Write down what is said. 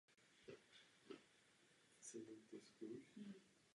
Je to jedna z nejslavnějších památek starověkého římského stavitelství a sochařství.